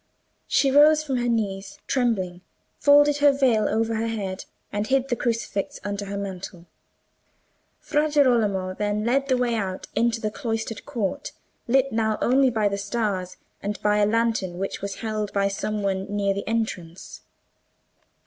She rose from her knees, trembling, folded her veil over her head, and hid the crucifix under her mantle. Fra Girolamo then led the way out into the cloistered court, lit now only by the stars and by a lantern which was held by some one near the entrance.